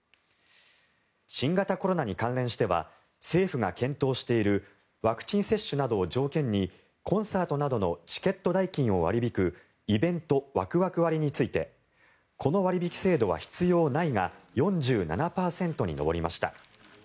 新型コロナに関連しては政府が検討しているワクチン接種などを条件にコンサートなどのチケット代金を割り引くイベントワクワク割についてこの割引制度が必要ないが４７％に上りました。